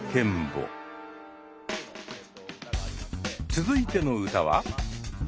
続いての歌は。